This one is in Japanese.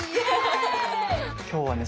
今日はね